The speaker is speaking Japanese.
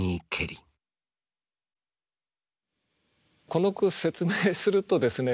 この句説明するとですね